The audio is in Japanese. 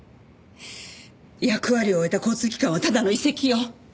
役割を終えた交通機関はただの遺跡よ。